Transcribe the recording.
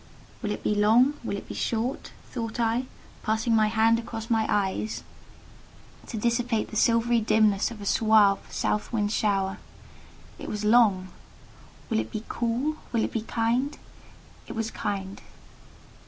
"Will it be long—will it be short?" thought I, passing my hand across my eyes to dissipate the silvery dimness of a suave, south wind shower. It was long. "Will it be cool?—will it be kind?" It was kind.